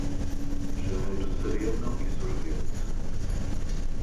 Janeiro sereno e sorvete.